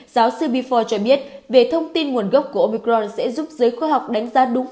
giáo sư bi four cho biết về thông tin nguồn gốc của omicron sẽ giúp giới khoa học đánh giá đúng